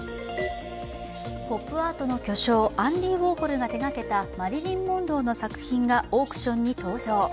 ポップアートの巨匠アンディ・ウォーホルが手がけたマリリン・モンローの作品がオークションに登場。